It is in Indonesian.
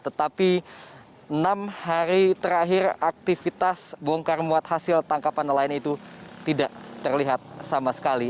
tetapi enam hari terakhir aktivitas bongkar muat hasil tangkapan nelayan itu tidak terlihat sama sekali